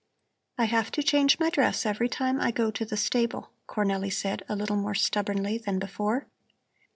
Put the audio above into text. "I have to change my dress every time I go to the stable," Cornelli said, a little more stubbornly than before.